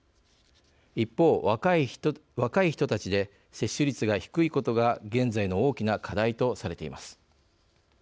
一方若い人たちで接種率が低いことが現在の大きな課題とされています。